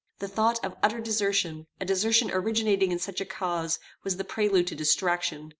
The thought of utter desertion, a desertion originating in such a cause, was the prelude to distraction.